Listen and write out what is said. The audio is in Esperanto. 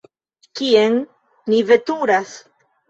Kien ni veturas?